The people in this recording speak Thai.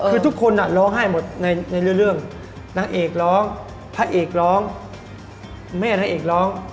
คือทุกคนร้องไห้หมดในเรื่องนางเอกร้องพระเอกร้องแม่นางเอกร้อง